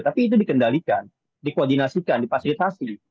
tapi itu dikendalikan dikoordinasikan difasilitasi